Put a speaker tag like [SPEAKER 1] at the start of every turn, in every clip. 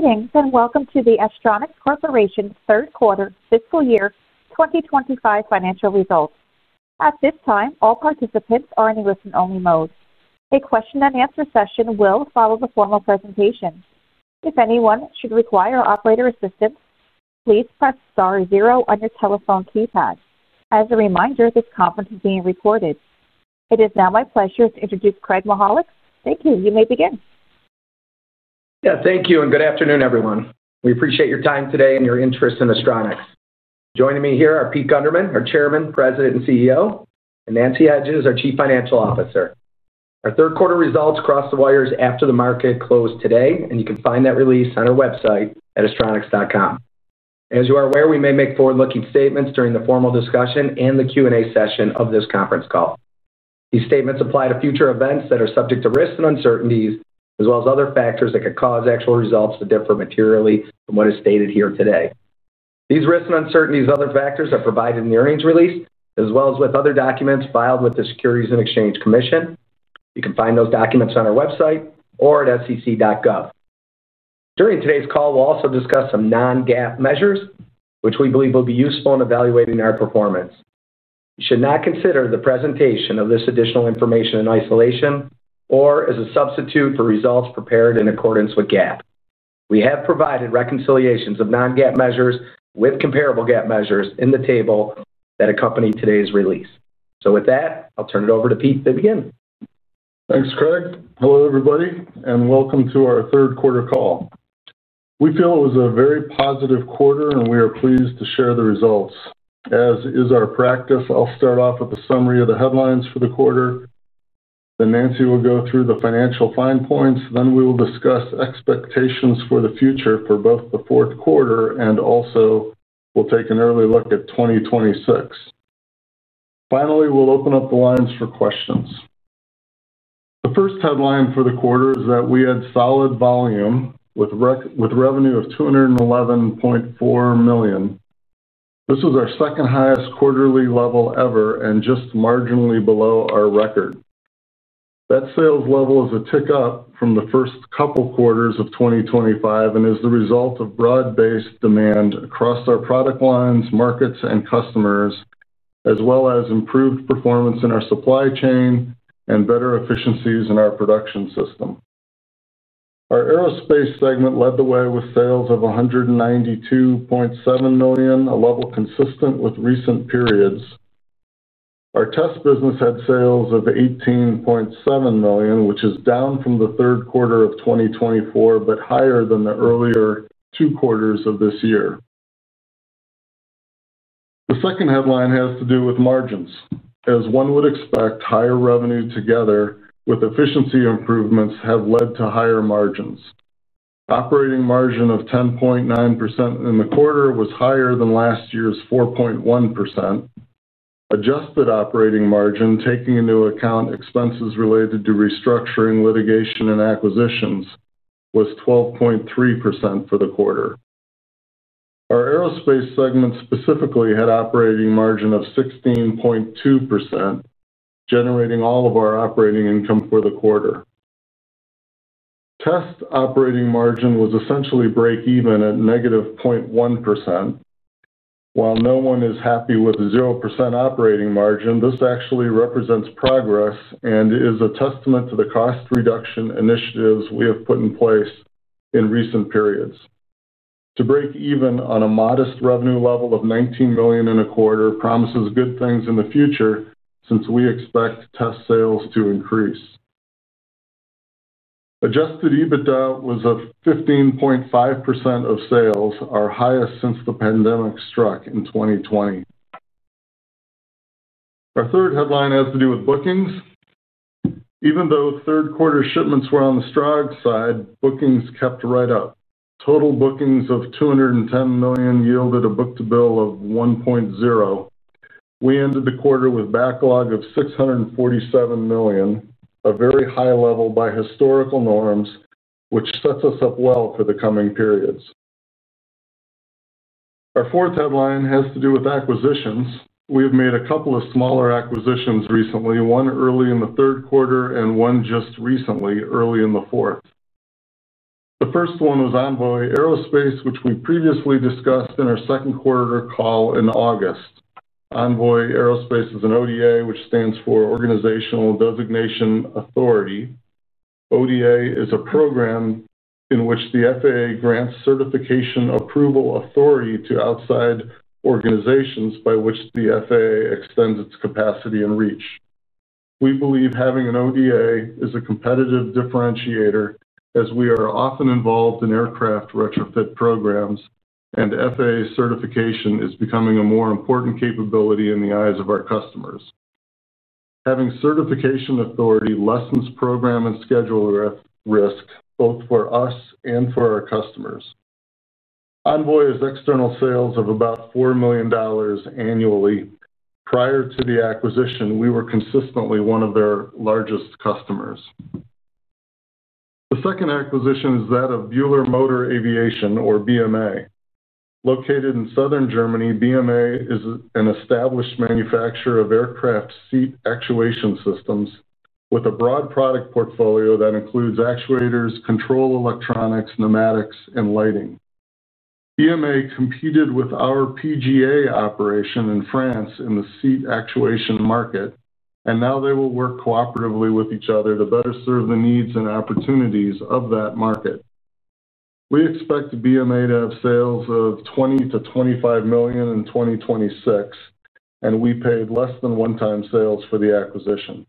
[SPEAKER 1] Greetings and welcome to the Astronics Corporation Third Quarter Fiscal Year 2025 Financial Results. At this time, all participants are in the listen-only mode. A question-and-answer session will follow the formal presentation. If anyone should require operator assistance, please press star zero on your telephone keypad. As a reminder, this conference is being recorded. It is now my pleasure to introduce Craig Mychajluk. Thank you. You may begin.
[SPEAKER 2] Yeah, thank you and good afternoon, everyone. We appreciate your time today and your interest in Astronics. Joining me here are Pete Gundermann, our Chairman, President, and CEO, and Nancy Hedges, our Chief Financial Officer. Our third quarter results crossed the wires after the market closed today, and you can find that release on our website at astronics.com. As you are aware, we may make forward-looking statements during the formal discussion and the Q&A session of this conference call. These statements apply to future events that are subject to risks and uncertainties, as well as other factors that could cause actual results to differ materially from what is stated here today. These risks and uncertainties and other factors are provided in the earnings release, as well as with other documents filed with the Securities and Exchange Commission. You can find those documents on our website or at sec.gov. During today's call, we'll also discuss some non-GAAP measures, which we believe will be useful in evaluating our performance. You should not consider the presentation of this additional information in isolation or as a substitute for results prepared in accordance with GAAP. We have provided reconciliations of non-GAAP measures with comparable GAAP measures in the table that accompanied today's release. So with that, I'll turn it over to Pete to begin.
[SPEAKER 3] Thanks, Craig. Hello, everybody, and welcome to our third quarter call. We feel it was a very positive quarter, and we are pleased to share the results. As is our practice, I'll start off with a summary of the headlines for the quarter. Then Nancy will go through the financial fine points. Then we will discuss expectations for the future for both the fourth quarter, and also we'll take an early look at 2026. Finally, we'll open up the lines for questions. The first headline for the quarter is that we had solid volume with a revenue of $211.4 million. This was our second highest quarterly level ever and just marginally below our record. That sales level is a tick up from the first couple quarters of 2025 and is the result of broad-based demand across our product lines, markets, and customers, as well as improved performance in our supply chain and better efficiencies in our production system. Our Aerospace segment led the way with sales of $192.7 million, a level consistent with recent periods. Our Test business had sales of $18.7 million, which is down from the third quarter of 2024 but higher than the earlier two quarters of this year. The second headline has to do with margins. As one would expect, higher revenue together with efficiency improvements have led to higher margins. Operating margin of 10.9% in the quarter was higher than last year's 4.1%. Adjusted operating margin, taking into account expenses related to restructuring, litigation, and acquisitions, was 12.3% for the quarter. Our Aerospace segment specifically had operating margin of 16.2%. Generating all of our operating income for the quarter. Test operating margin was essentially break-even at -0.1%. While no one is happy with a 0% operating margin, this actually represents progress and is a testament to the cost reduction initiatives we have put in place in recent periods. To break even on a modest revenue level of $19 million in a quarter promises good things in the future since we expect Test sales to increase. Adjusted EBITDA was 15.5% of sales, our highest since the pandemic struck in 2020. Our third headline has to do with bookings. Even though third quarter shipments were on the upside side, bookings kept right up. Total bookings of $210 million yielded a book-to-bill of 1.0. We ended the quarter with backlog of $647 million, a very high level by historical norms, which sets us up well for the coming periods. Our fourth headline has to do with acquisitions. We have made a couple of smaller acquisitions recently, one early in the third quarter and one just recently, early in the fourth. The first one was Envoy Aerospace, which we previously discussed in our second quarter call in August. Envoy Aerospace is an ODA, which stands for Organizational Designation Authority. ODA is a program in which the FAA grants certification approval authority to outside organizations by which the FAA extends its capacity and reach. We believe having an ODA is a competitive differentiator as we are often involved in aircraft retrofit programs, and FAA certification is becoming a more important capability in the eyes of our customers. Having certification authority lessens program and schedule risk, both for us and for our customers. Envoy has external sales of about $4 million annually. Prior to the acquisition, we were consistently one of their largest customers. The second acquisition is that of Bühler Motor Aviation, or BMA. Located in southern Germany, BMA is an established manufacturer of aircraft seat actuation systems with a broad product portfolio that includes actuators, control electronics, pneumatics, and lighting. BMA competed with our PGA operation in France in the seat actuation market, and now they will work cooperatively with each other to better serve the needs and opportunities of that market. We expect BMA to have sales of $20 million-$25 million in 2026, and we paid less than 1x sales for the acquisition.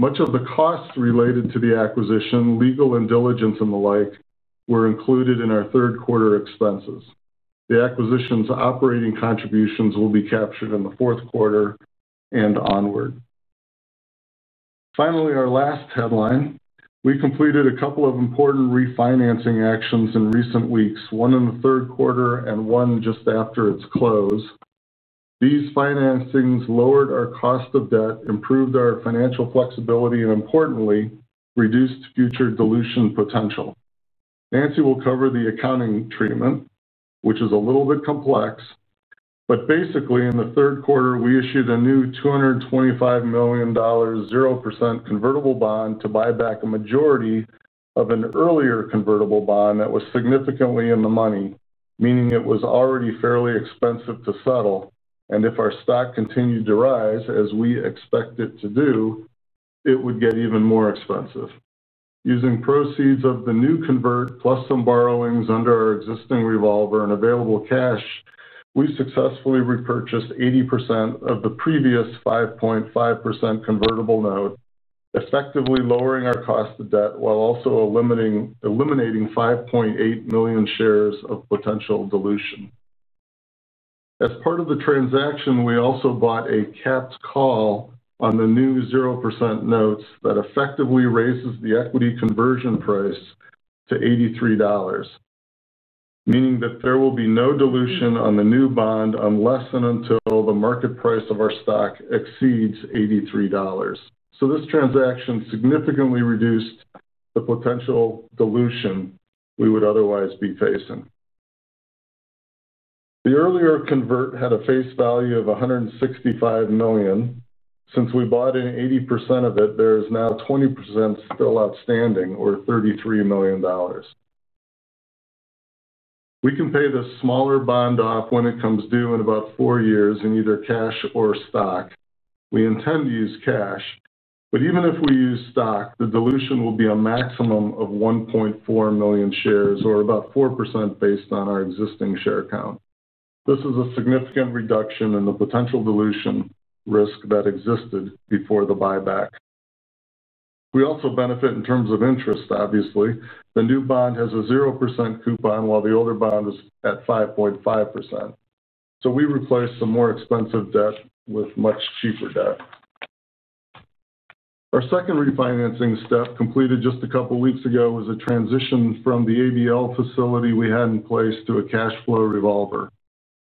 [SPEAKER 3] Much of the cost related to the acquisition, legal and diligence, and the like were included in our third quarter expenses. The acquisition's operating contributions will be captured in the fourth quarter and onward. Finally, our last headline, we completed a couple of important refinancing actions in recent weeks, one in the third quarter and one just after its close. These financings lowered our cost of debt, improved our financial flexibility, and importantly, reduced future dilution potential. Nancy will cover the accounting treatment, which is a little bit complex. But basically, in the third quarter, we issued a new $225 million 0% convertible bond to buy back a majority of an earlier convertible bond that was significantly in the money, meaning it was already fairly expensive to settle. And if our stock continued to rise, as we expect it to do. It would get even more expensive. Using proceeds of the new convert plus some borrowings under our existing revolver and available cash, we successfully repurchased 80% of the previous 5.5% convertible note, effectively lowering our cost of debt while also eliminating 5.8 million shares of potential dilution. As part of the transaction, we also bought a capped call on the new 0% notes that effectively raises the equity conversion price to $83. Meaning that there will be no dilution on the new bond unless and until the market price of our stock exceeds $83. So this transaction significantly reduced the potential dilution we would otherwise be facing. The earlier convert had a face value of $165 million. Since we bought in 80% of it, there is now 20% still outstanding, or $33 million. We can pay this smaller bond off when it comes due in about four years in either cash or stock. We intend to use cash, but even if we use stock, the dilution will be a maximum of 1.4 million shares, or about 4% based on our existing share count. This is a significant reduction in the potential dilution risk that existed before the buyback. We also benefit in terms of interest, obviously. The new bond has a 0% coupon while the older bond is at 5.5%. So we replaced some more expensive debt with much cheaper debt. Our second refinancing step completed just a couple of weeks ago was a transition from the ABL facility we had in place to a cash flow revolver.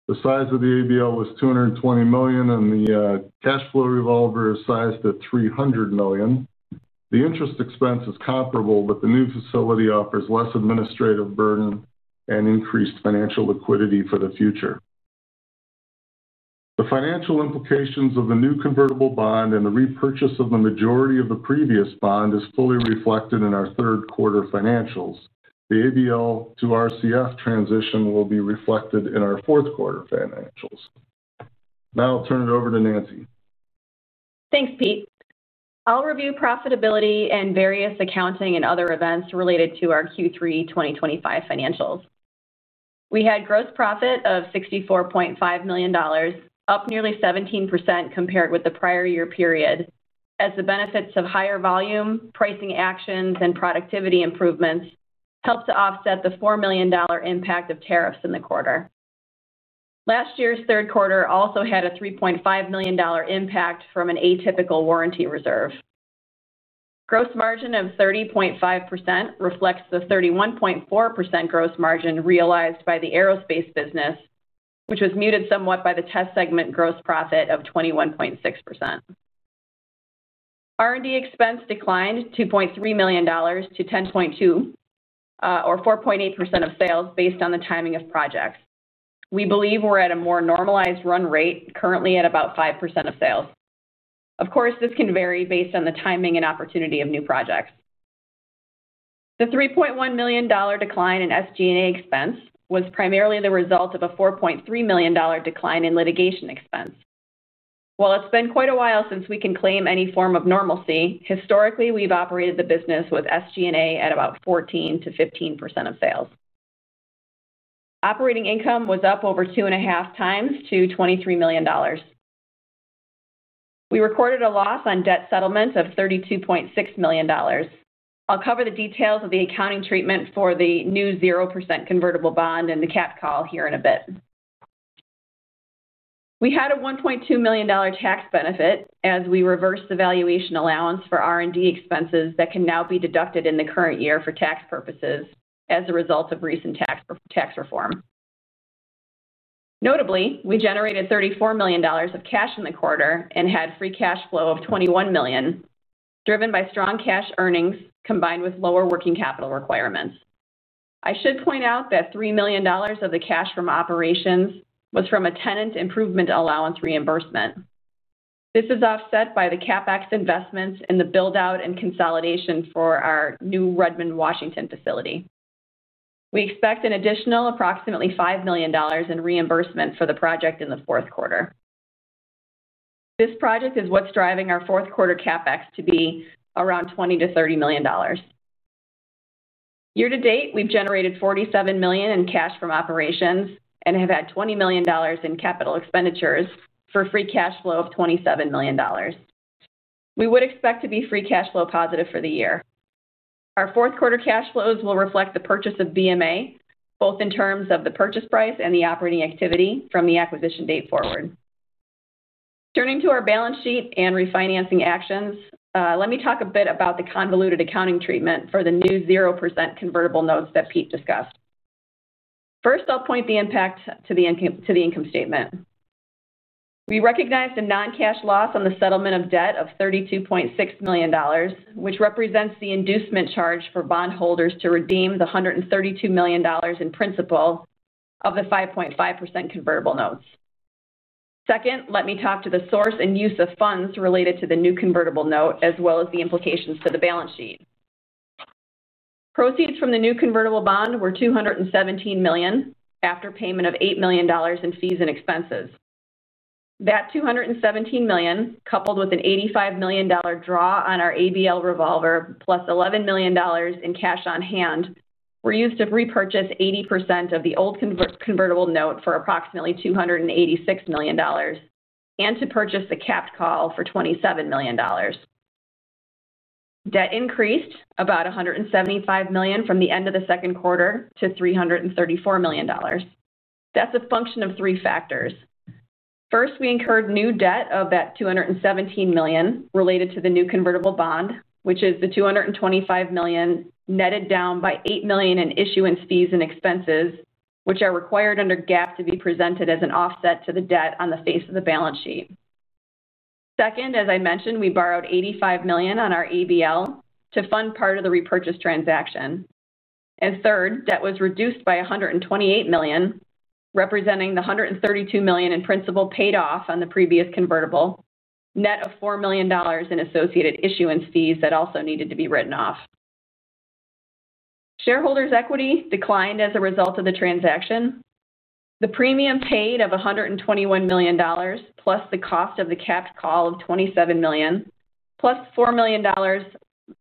[SPEAKER 3] The size of the ABL was $220 million, and the cash flow revolver is sized at $300 million. The interest expense is comparable, but the new facility offers less administrative burden and increased financial liquidity for the future. The financial implications of the new convertible bond and the repurchase of the majority of the previous bond are fully reflected in our third quarter financials. The ABL to RCF transition will be reflected in our fourth quarter financials. Now I'll turn it over to Nancy.
[SPEAKER 4] Thanks, Pete. I'll review profitability and various accounting and other events related to our Q3 2025 financials. We had gross profit of $64.5 million, up nearly 17% compared with the prior year period, as the benefits of higher volume, pricing actions, and productivity improvements helped to offset the $4 million impact of tariffs in the quarter. Last year's third quarter also had a $3.5 million impact from an atypical warranty reserve. Gross margin of 30.5% reflects the 31.4% gross margin realized by the Aerospace business, which was muted somewhat by the test segment gross profit of 21.6%. R&D expense declined $2.3 million to $10.2 million, or 4.8% of sales based on the timing of projects. We believe we're at a more normalized run rate, currently at about 5% of sales. Of course, this can vary based on the timing and opportunity of new projects. The $3.1 million decline in SG&A expense was primarily the result of a $4.3 million decline in litigation expense. While it's been quite a while since we can claim any form of normalcy, historically, we've operated the business with SG&A at about 14%-15% of sales. Operating income was up over 2.5x to $23 million. We recorded a loss on debt settlement of $32.6 million. I'll cover the details of the accounting treatment for the new 0% convertible bond and the capped call here in a bit. We had a $1.2 million tax benefit as we reversed the valuation allowance for R&D expenses that can now be deducted in the current year for tax purposes as a result of recent tax reform. Notably, we generated $34 million of cash in the quarter and had free cash flow of $21 million, driven by strong cash earnings combined with lower working capital requirements. I should point out that $3 million of the cash from operations was from a tenant improvement allowance reimbursement. This is offset by the CapEx investments in the build-out and consolidation for our new Redmond, Washington facility. We expect an additional approximately $5 million in reimbursement for the project in the fourth quarter. This project is what's driving our fourth quarter CapEx to be around $20 million-$30 million. Year-to-date, we've generated $47 million in cash from operations and have had $20 million in capital expenditures for free cash flow of $27 million. We would expect to be free cash flow positive for the year. Our fourth quarter cash flows will reflect the purchase of BMA, both in terms of the purchase price and the operating activity from the acquisition date forward. Turning to our balance sheet and refinancing actions, let me talk a bit about the convoluted accounting treatment for the new 0% convertible notes that Pete discussed. First, I'll point out the impact to the income statement. We recognized a non-cash loss on the settlement of debt of $32.6 million, which represents the inducement charge for bondholders to redeem the $132 million in principal of the 5.5% convertible notes. Second, let me talk to the source and use of funds related to the new convertible note, as well as the implications to the balance sheet. Proceeds from the new convertible bond were $217 million after payment of $8 million in fees and expenses. That $217 million, coupled with an $85 million draw on our ABL revolver, +$11 million in cash on hand, were used to repurchase 80% of the old convertible note for approximately $286 million, and to purchase the capped call for $27 million. Debt increased about $175 million from the end of the second quarter to $334 million. That's a function of three factors. First, we incurred new debt of that $217 million related to the new convertible bond, which is the $225 million netted down by $8 million in issuance fees and expenses, which are required under GAAP to be presented as an offset to the debt on the face of the balance sheet. Second, as I mentioned, we borrowed $85 million on our ABL to fund part of the repurchase transaction, and third, debt was reduced by $128 million, representing the $132 million in principal paid off on the previous convertible, net of $4 million in associated issuance fees that also needed to be written off. Shareholders' equity declined as a result of the transaction. The premium paid of $121 million, plus the cost of the capped call of $27 million, +$4 million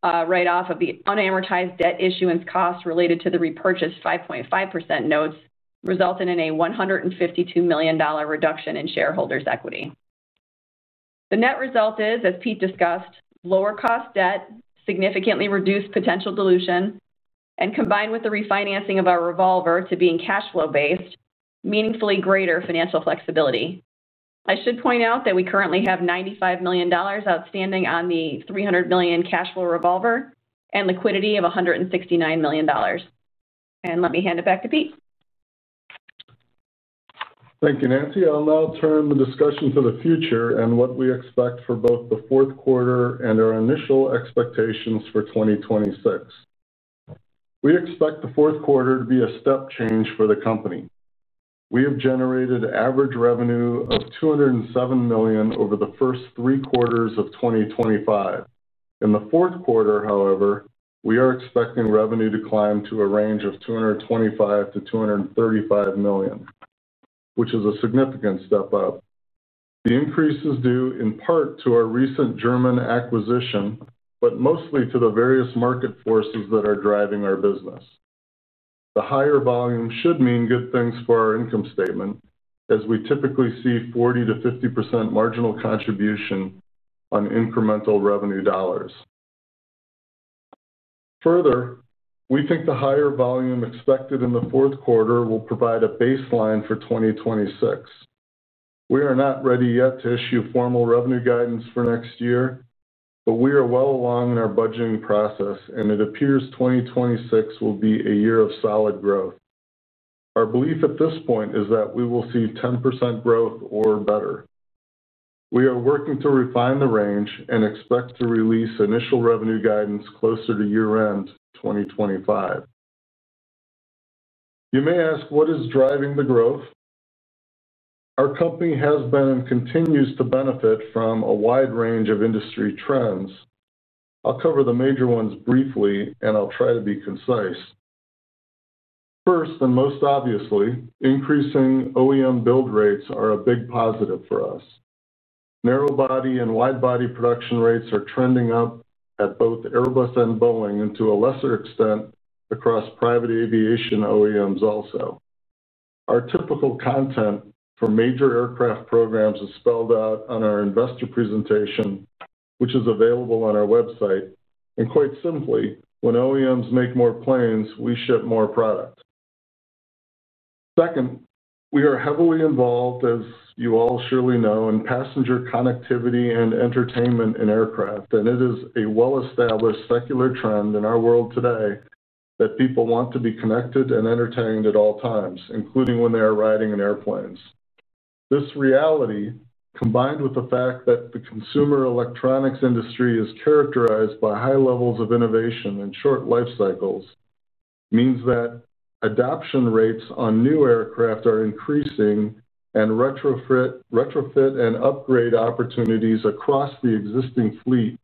[SPEAKER 4] write-off of the unamortized debt issuance cost related to the repurchased 5.5% notes, resulted in a $152 million reduction in shareholders' equity. The net result is, as Pete discussed, lower cost debt, significantly reduced potential dilution, and combined with the refinancing of our revolver to being cash flow-based, meaningfully greater financial flexibility. I should point out that we currently have $95 million outstanding on the $300 million cash flow revolver and liquidity of $169 million, and let me hand it back to Pete.
[SPEAKER 3] Thank you, Nancy. I'll now turn the discussion to the future and what we expect for both the fourth quarter and our initial expectations for 2026. We expect the fourth quarter to be a step change for the company. We have generated average revenue of $207 million over the first three quarters of 2025. In the fourth quarter, however, we are expecting revenue to climb to a range of $225 million-$235 million, which is a significant step up. The increase is due in part to our recent German acquisition, but mostly to the various market forces that are driving our business. The higher volume should mean good things for our income statement, as we typically see 40%-50% marginal contribution on incremental revenue dollars. Further, we think the higher volume expected in the fourth quarter will provide a baseline for 2026. We are not ready yet to issue formal revenue guidance for next year, but we are well along in our budgeting process, and it appears 2026 will be a year of solid growth. Our belief at this point is that we will see 10% growth or better. We are working to refine the range and expect to release initial revenue guidance closer to year-end 2025. You may ask, what is driving the growth? Our company has been and continues to benefit from a wide range of industry trends. I'll cover the major ones briefly, and I'll try to be concise. First and most obviously, increasing OEM build rates are a big positive for us. Narrow-body and wide-body production rates are trending up at both Airbus and Boeing and, to a lesser extent, across private aviation OEMs also. Our typical content for major aircraft programs is spelled out on our investor presentation, which is available on our website, and quite simply, when OEMs make more planes, we ship more product. Second, we are heavily involved, as you all surely know, in passenger connectivity and entertainment in aircraft, and it is a well-established secular trend in our world today that people want to be connected and entertained at all times, including when they are riding in airplanes. This reality, combined with the fact that the consumer electronics industry is characterized by high levels of innovation and short life cycles, means that adoption rates on new aircraft are increasing, and retrofit and upgrade opportunities across the existing fleet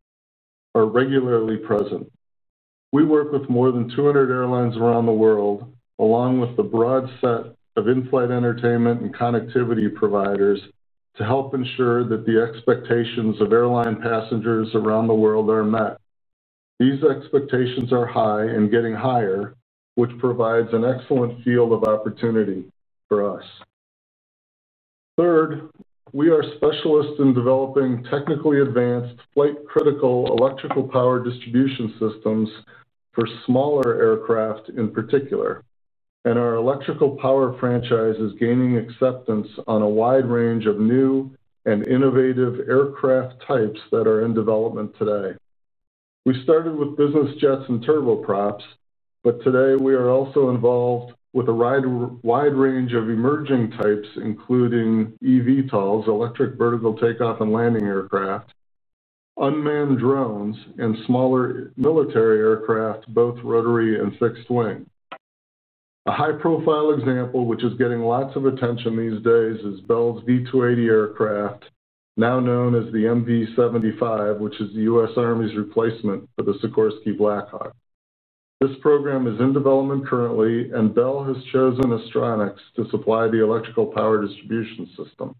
[SPEAKER 3] are regularly present. We work with more than 200 airlines around the world, along with the broad set of in-flight entertainment and connectivity providers, to help ensure that the expectations of airline passengers around the world are met. These expectations are high and getting higher, which provides an excellent field of opportunity for us. Third, we are specialists in developing technically advanced flight-critical electrical power distribution systems for smaller aircraft in particular, and our electrical power franchise is gaining acceptance on a wide range of new and innovative aircraft types that are in development today. We started with business jets and turboprops, but today we are also involved with a wide range of emerging types, including eVTOLs, electric vertical takeoff and landing aircraft, unmanned drones, and smaller military aircraft, both rotary and fixed wing. A high-profile example, which is getting lots of attention these days, is Bell's V-280 aircraft, now known as the MV-75, which is the U.S. Army's replacement for the Sikorsky Black Hawk. This program is in development currently, and Bell has chosen Astronics to supply the electrical power distribution system.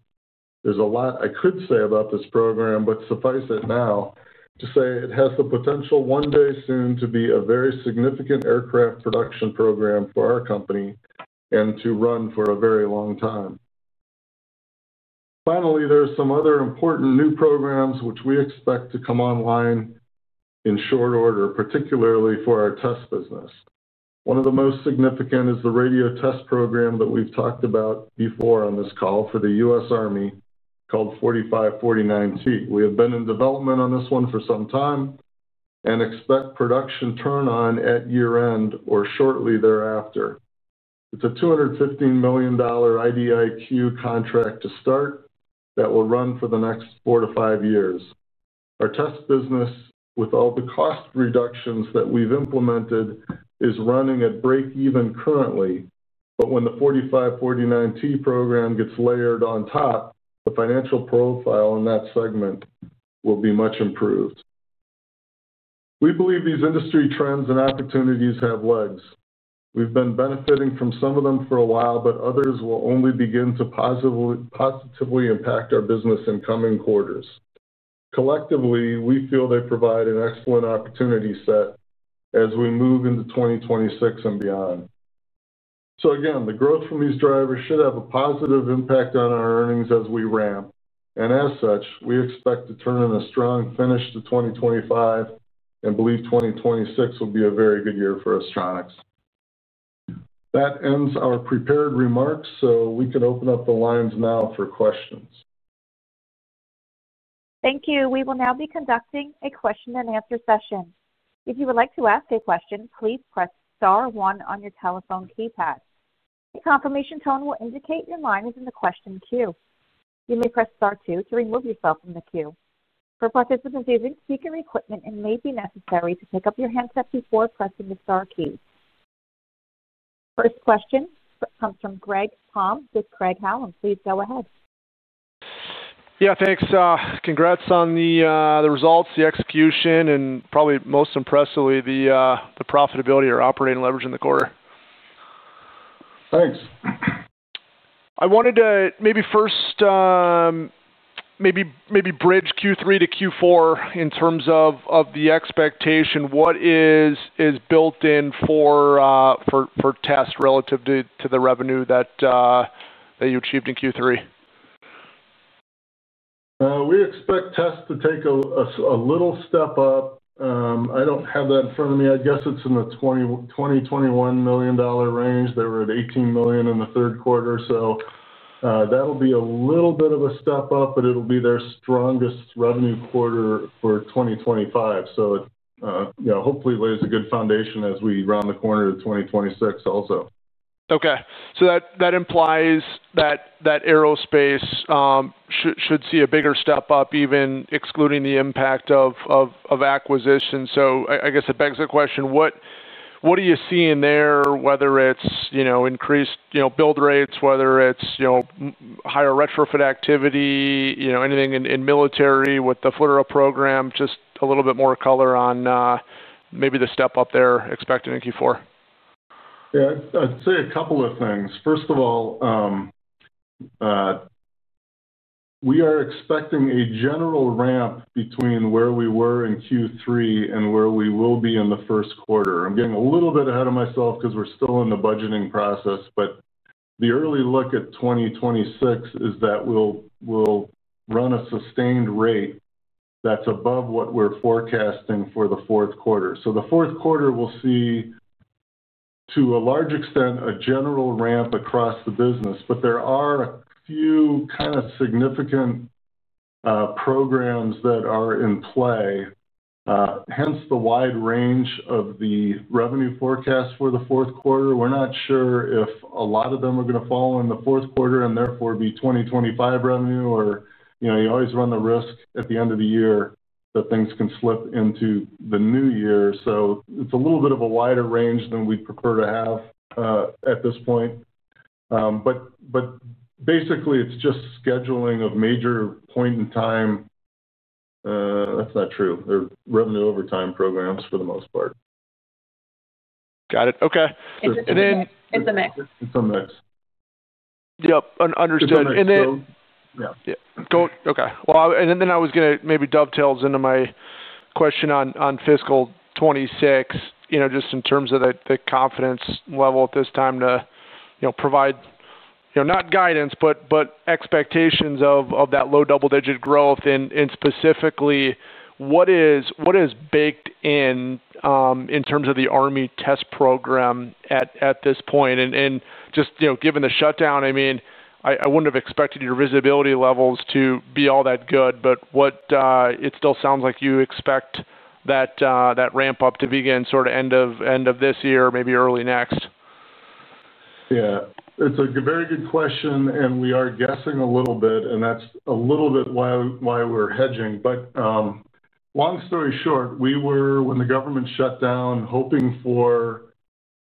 [SPEAKER 3] There's a lot I could say about this program, but suffice it now to say it has the potential one day soon to be a very significant aircraft production program for our company and to run for a very long time. Finally, there are some other important new programs which we expect to come online in short order, particularly for our Test business. One of the most significant is the radio test program that we've talked about before on this call for the U.S. Army called 4549/T. We have been in development on this one for some time and expect production turn-on at year-end or shortly thereafter. It's a $215 million IDIQ Contract to start that will run for the next 4-5 years. Our test business, with all the cost reductions that we've implemented, is running at break-even currently, but when the 4549/T program gets layered on top, the financial profile in that segment will be much improved. We believe these industry trends and opportunities have legs. We've been benefiting from some of them for a while, but others will only begin to positively impact our business in coming quarters. Collectively, we feel they provide an excellent opportunity set as we move into 2026 and beyond. So again, the growth from these drivers should have a positive impact on our earnings as we ramp. And as such, we expect to turn in a strong finish to 2025 and believe 2026 will be a very good year for Astronics. That ends our prepared remarks, so we can open up the lines now for questions.
[SPEAKER 1] Thank you. We will now be conducting a question-and-answer session. If you would like to ask a question, please press star one on your telephone keypad. A confirmation tone will indicate your line is in the question queue. You may press star two to remove yourself from the queue. For participants using speaker equipment, it may be necessary to pick up your handset before pressing the star key. First question comes from Greg Palm with Craig-Hallum, and please go ahead.
[SPEAKER 5] Yeah, thanks. Congrats on the results, the execution, and probably most impressively, the profitability or operating leverage in the quarter.
[SPEAKER 3] Thanks.
[SPEAKER 5] I wanted to maybe first. Maybe bridge Q3 to Q4 in terms of the expectation. What is built in for Test relative to the revenue that you achieved in Q3?
[SPEAKER 3] We expect Tests to take a little step up. I don't have that in front of me. I guess it's in the $20 million-$21 million range. They were at $18 million in the third quarter. So that'll be a little bit of a step up, but it'll be their strongest revenue quarter for 2025. So. Hopefully lays a good foundation as we round the corner to 2026 also.
[SPEAKER 5] Okay. So that implies that Aerospace should see a bigger step up, even excluding the impact of acquisition. So I guess it begs the question, what are you seeing there, whether it's increased build rates, whether it's higher retrofit activity, anything in military with the FLRAA program, just a little bit more color on maybe the step up they're expecting in Q4?
[SPEAKER 3] Yeah. I'd say a couple of things. First of all, we are expecting a general ramp between where we were in Q3 and where we will be in the first quarter. I'm getting a little bit ahead of myself because we're still in the budgeting process, but the early look at 2026 is that we'll run a sustained rate that's above what we're forecasting for the fourth quarter. So the fourth quarter, we'll see. To a large extent, a general ramp across the business, but there are a few kind of significant programs that are in play, hence the wide range of the revenue forecast for the fourth quarter. We're not sure if a lot of them are going to fall in the fourth quarter and therefore be 2025 revenue, or you always run the risk at the end of the year that things can slip into the new year. So it's a little bit of a wider range than we'd prefer to have at this point. But basically, it's just scheduling of major point in time. That's not true. They're revenue over time programs for the most part.
[SPEAKER 5] Got it. Okay.
[SPEAKER 4] It's a mix.
[SPEAKER 3] It's a mix.
[SPEAKER 5] Yep. Understood.
[SPEAKER 3] Yeah.
[SPEAKER 5] Okay. Well, and then I was going to maybe dovetail into my question on fiscal 2026, just in terms of the confidence level at this time to provide, not guidance, but expectations of that low double-digit growth. And specifically, what is baked in in terms of the Army Test program at this point? And just given the shutdown, I mean, I wouldn't have expected your visibility levels to be all that good, but it still sounds like you expect that ramp up to begin sort of end of this year, maybe early next.
[SPEAKER 3] Yeah. It's a very good question, and we are guessing a little bit, and that's a little bit why we're hedging. But long story short, we were, when the government shut down, hoping for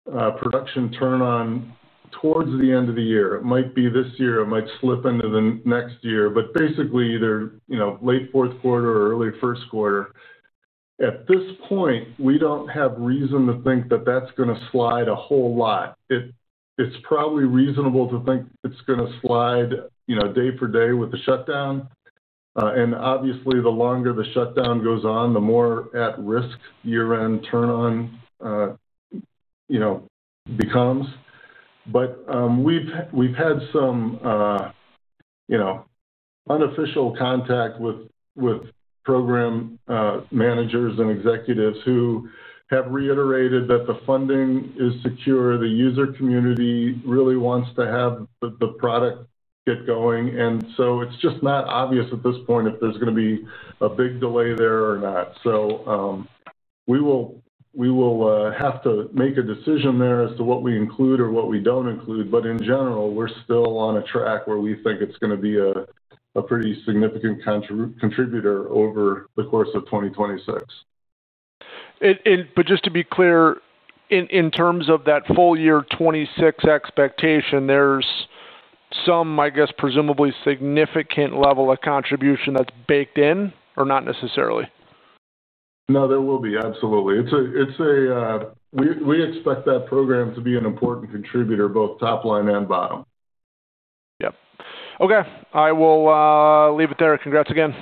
[SPEAKER 3] production turn-on towards the end of the year. It might be this year. It might slip into the next year, but basically either late fourth quarter or early first quarter. At this point, we don't have reason to think that that's going to slide a whole lot. It's probably reasonable to think it's going to slide day for day with the shutdown. And obviously, the longer the shutdown goes on, the more at-risk year-end turn-on becomes. But we've had some unofficial contact with program managers and executives who have reiterated that the funding is secure. The user community really wants to have the product get going. And so it's just not obvious at this point if there's going to be a big delay there or not. So we will have to make a decision there as to what we include or what we don't include. But in general, we're still on a track where we think it's going to be a pretty significant contributor over the course of 2026.
[SPEAKER 5] But just to be clear. In terms of that full year 2026 expectation, there's some, I guess, presumably significant level of contribution that's baked in or not necessarily?
[SPEAKER 3] No, there will be. Absolutely. We expect that program to be an important contributor, both top line and bottom.
[SPEAKER 5] Yep. Okay. I will leave it there. Congrats again.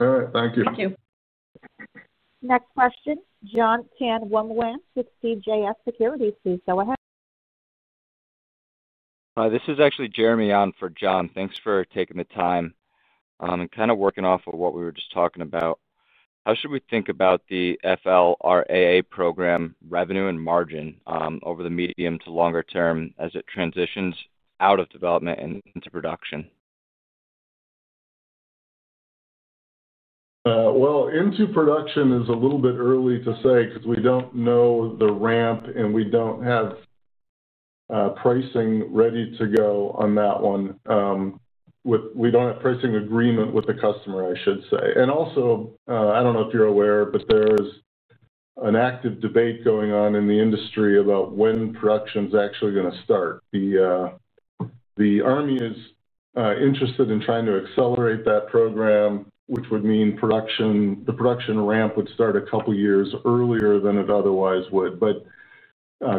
[SPEAKER 3] All right. Thank you.
[SPEAKER 4] Thank you.
[SPEAKER 1] Next question, Jon Tanwanteng with CJS Securities. Please go ahead.
[SPEAKER 6] This is actually Jeremy on for Jon. Thanks for taking the time, and kind of working off of what we were just talking about, how should we think about the FLRAA program revenue and margin over the medium to longer term as it transitions out of development and into production?
[SPEAKER 3] Well, into production is a little bit early to say because we don't know the ramp, and we don't have pricing ready to go on that one. We don't have pricing agreement with the customer, I should say. And also, I don't know if you're aware, but there is an active debate going on in the industry about when production is actually going to start. The Army is interested in trying to accelerate that program, which would mean the production ramp would start a couple of years earlier than it otherwise would. But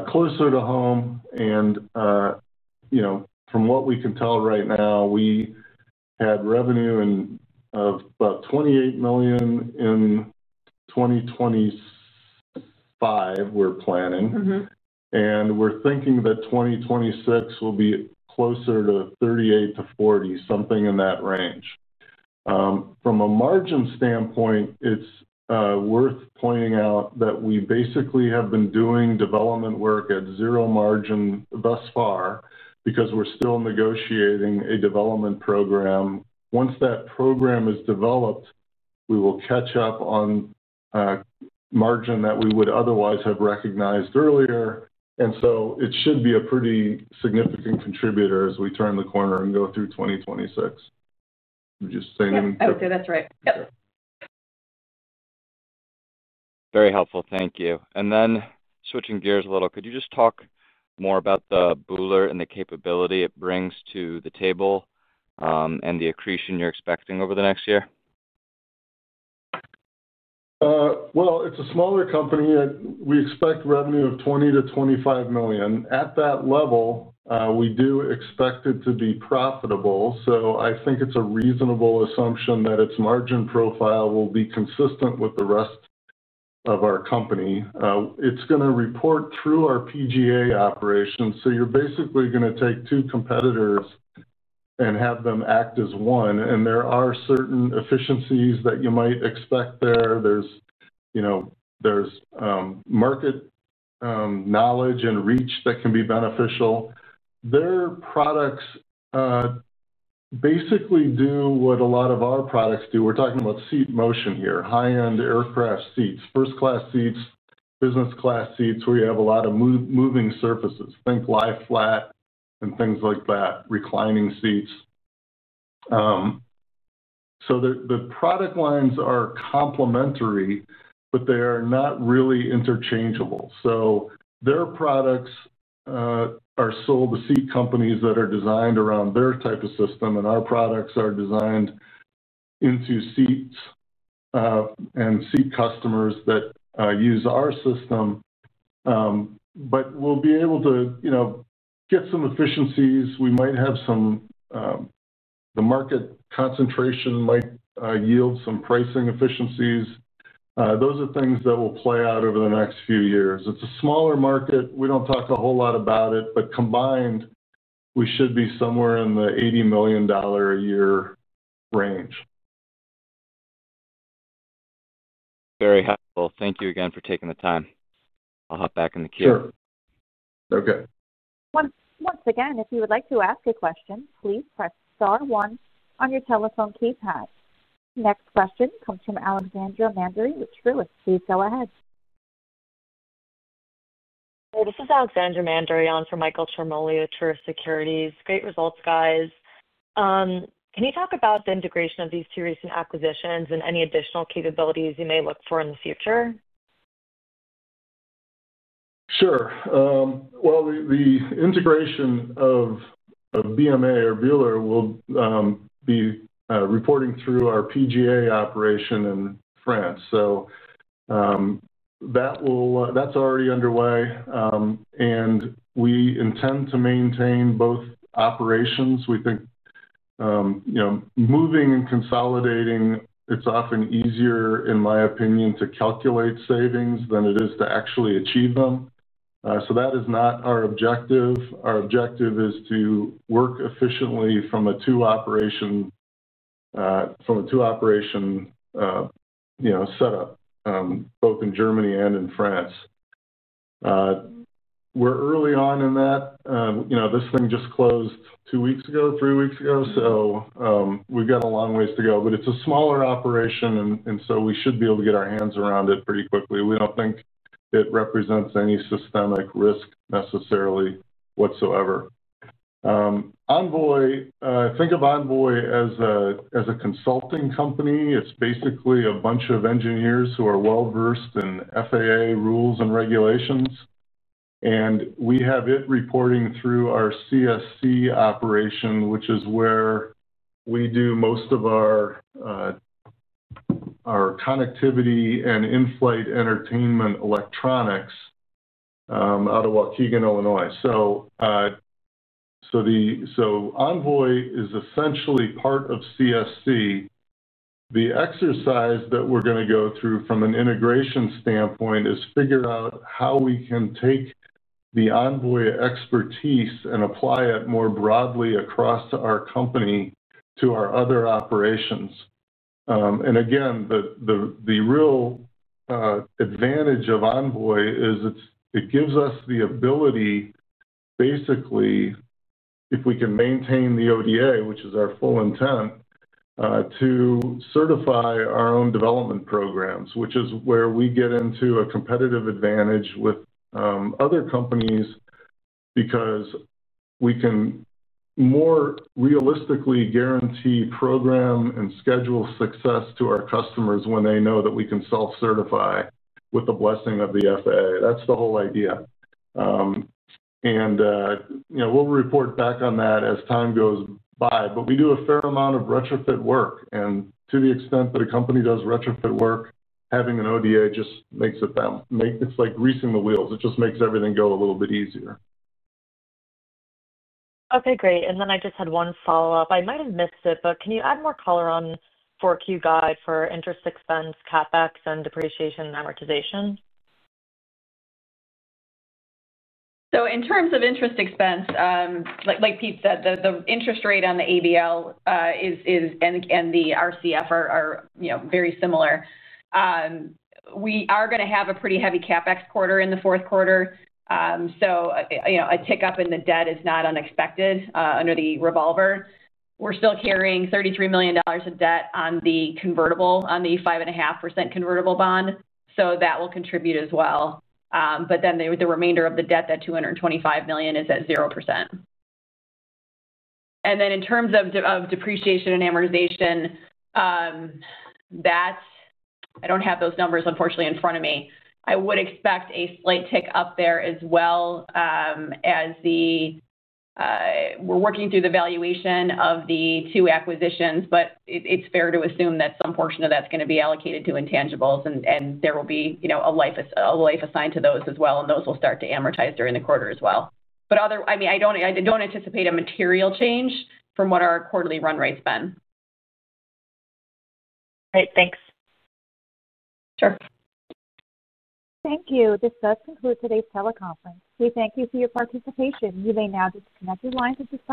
[SPEAKER 3] closer to home and from what we can tell right now, we had revenue of about $28 million in 2025. We're planning and we're thinking that 2026 will be closer to $38-$40, something in that range. From a margin standpoint, it's worth pointing out that we basically have been doing development work at zero margin thus far because we're still negotiating a development program. Once that program is developed, we will catch up on margin that we would otherwise have recognized earlier. And so it should be a pretty significant contributor as we turn the corner and go through 2026. I'm just saying.
[SPEAKER 4] I would say that's right. Yep.
[SPEAKER 6] Very helpful. Thank you. And then switching gears a little, could you just talk more about the Bühle and the capability it brings to the table? And the accretion you're expecting over the next year?
[SPEAKER 3] It's a smaller company. We expect revenue of $20 million-$25 million. At that level, we do expect it to be profitable. So I think it's a reasonable assumption that its margin profile will be consistent with the rest of our company. It's going to report through our PGA operations. So you're basically going to take two competitors and have them act as one. And there are certain efficiencies that you might expect there. There's market knowledge and reach that can be beneficial. Their products basically do what a lot of our products do. We're talking about seat motion here, high-end aircraft seats, first-class seats, business-class seats where you have a lot of moving surfaces. Think lie-flat and things like that, reclining seats. So the product lines are complementary, but they are not really interchangeable. So their products are sold to seat companies that are designed around their type of system, and our products are designed into seats and seat customers that use our system. But we'll be able to get some efficiencies. We might have some. The market concentration might yield some pricing efficiencies. Those are things that will play out over the next few years. It's a smaller market. We don't talk a whole lot about it, but combined, we should be somewhere in the $80 million a year range.
[SPEAKER 6] Very helpful. Thank you again for taking the time. I'll hop back in the queue.
[SPEAKER 3] Sure. Okay.
[SPEAKER 1] Once again, if you would like to ask a question, please press star one on your telephone keypad. Next question comes from Alexandra Mandery with Truist. Please go ahead.
[SPEAKER 7] Hey, this is Alexandra Mandery on for Michael Ciarmoli at Truist Securities. Great results, guys. Can you talk about the integration of these two recent acquisitions and any additional capabilities you may look for in the future?
[SPEAKER 3] Sure. Well, the integration of BMA or Bühler will be reporting through our PGA operation in France. So that's already underway, and we intend to maintain both operations. We think moving and consolidating, it's often easier, in my opinion, to calculate savings than it is to actually achieve them. So that is not our objective. Our objective is to work efficiently from a two-operation setup, both in Germany and in France. We're early on in that. This thing just closed two weeks ago, three weeks ago. So we've got a long ways to go. But it's a smaller operation, and so we should be able to get our hands around it pretty quickly. We don't think it represents any systemic risk necessarily whatsoever. Envoy, think of Envoy as a consulting company. It's basically a bunch of engineers who are well-versed in FAA rules and regulations, and we have it reporting through our CSC operation, which is where we do most of our connectivity and in-flight entertainment electronics out of Waukegan, Illinois. So Envoy is essentially part of CSC. The exercise that we're going to go through from an integration standpoint is figure out how we can take the Envoy expertise and apply it more broadly across our company to our other operations, and again, the real advantage of Envoy is it gives us the ability, basically, if we can maintain the ODA, which is our full intent, to certify our own development programs, which is where we get into a competitive advantage with other companies because we can more realistically guarantee program and schedule success to our customers when they know that we can self-certify with the blessing of the FAA. That's the whole idea, and we'll report back on that as time goes by. But we do a fair amount of retrofit work, and to the extent that a company does retrofit work, having an ODA just makes it. It's like greasing the wheels. It just makes everything go a little bit easier.
[SPEAKER 7] Okay. Great. And then I just had one follow-up. I might have missed it, but can you add more color on Q4 guidance for interest expense, CapEx, and depreciation amortization?
[SPEAKER 4] So in terms of interest expense, like Pete said, the interest rate on the ABL and the RCF are very similar. We are going to have a pretty heavy CapEx quarter in the fourth quarter. So a tick up in the debt is not unexpected under the revolver. We're still carrying $33 million of debt on the convertible, on the 5.5% convertible bond. So that will contribute as well. But then the remainder of the debt, that $225 million, is at 0%. And then in terms of depreciation and amortization, I don't have those numbers, unfortunately, in front of me. I would expect a slight tick up there as well. We're working through the valuation of the two acquisitions, but it's fair to assume that some portion of that's going to be allocated to intangibles, and there will be a life assigned to those as well, and those will start to amortize during the quarter as well. But I mean, I don't anticipate a material change from what our quarterly run rate's been.
[SPEAKER 7] Great. Thanks.
[SPEAKER 4] Sure.
[SPEAKER 1] Thank you. This does conclude today's teleconference. We thank you for your participation. You may now disconnect your lines at this time.